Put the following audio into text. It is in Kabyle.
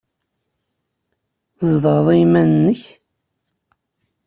Tzedɣeḍ i yiman-nnek?